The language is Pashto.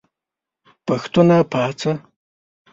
پښتونه پاڅه !